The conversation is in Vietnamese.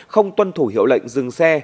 không tuân thủ hiểu lệnh dừng xe